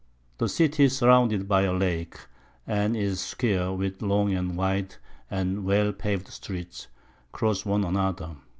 The City is surrounded by a Lake, and is square, with long, wide, and well pav'd Streets, cross one another.